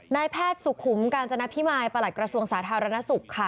นายแพทย์สุขุมกาญจนพิมายประหลัดกระทรวงสาธารณสุขค่ะ